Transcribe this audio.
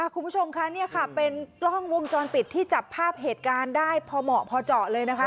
คุณผู้ชมค่ะนี่ค่ะเป็นกล้องวงจรปิดที่จับภาพเหตุการณ์ได้พอเหมาะพอเจาะเลยนะคะ